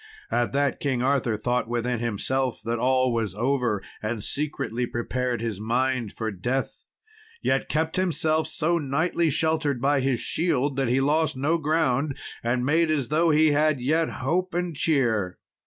At that, King Arthur thought within himself that all was over, and secretly prepared his mind for death, yet kept himself so knightly sheltered by his shield that he lost no ground, and made as though he yet had hope and cheer.